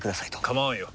構わんよ。